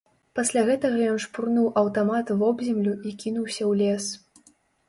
Пасля гэтага ён шпурнуў аўтамат вобземлю і кінуўся ў лес.